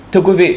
thưa quý vị